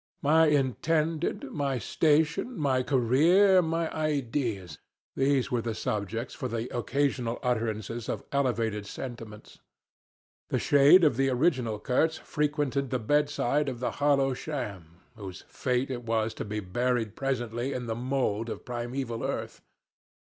My Intended, my station, my career, my ideas these were the subjects for the occasional utterances of elevated sentiments. The shade of the original Kurtz frequented the bedside of the hollow sham, whose fate it was to be buried presently in the mold of primeval earth.